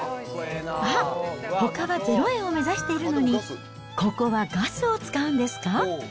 あっ、ほかは０円を目指しているのに、ここはガスを使うんですか？